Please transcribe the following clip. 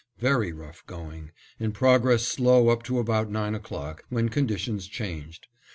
Very rough going, and progress slow up to about nine o'clock, when conditions changed.